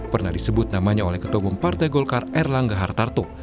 pernah disebut namanya oleh ketua umum partai golkar erlangga hartarto